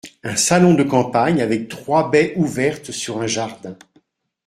Un salon de campagne, avec trois baies ouvertes sur un jardin.